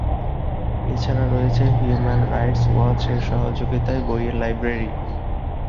এছাড়া রয়েছে human rights watch এর সহযোগীতায় বইয়ের লাইব্রেরী।